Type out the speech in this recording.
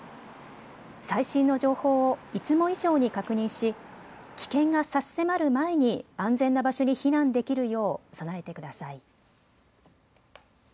最新の情報をいつも以上に確認し危険が差し迫る前に安全な場所に避難できるよう備えてください。